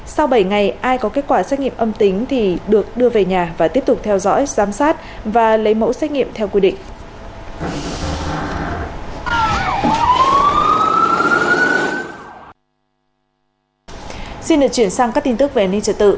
sau bảy ngày ai có kết quả xét nghiệm âm tính thì được đưa về nhà và tiếp tục theo dõi giám sát và lấy mẫu xét nghiệm theo quy định